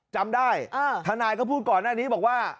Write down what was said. จำได้ทนายก็พูดก่อนหน้านี้บอกว่า